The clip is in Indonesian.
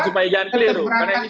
supaya jangan keliru